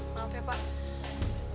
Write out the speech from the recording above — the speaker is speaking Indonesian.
maaf ya pak